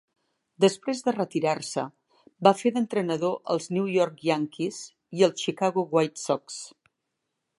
Després de retirar-se, va fer d'entrenador als New York Yankees i els Chicago White Sox.